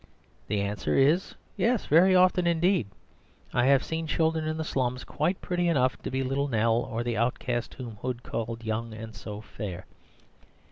The answer is, "Yes, very often indeed." I have seen children in the slums quite pretty enough to be Little Nell or the outcast whom Hood called "young and so fair."